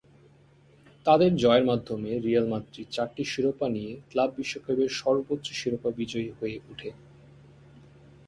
তাদের জয়ের মাধ্যমে, রিয়াল মাদ্রিদ চারটি শিরোপা নিয়ে ক্লাব বিশ্বকাপের সর্বোচ্চ শিরোপা বিজয়ী হয়ে ওঠে।